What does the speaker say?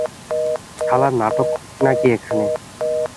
শালা, নাটক হচ্ছে নাকি এখানে?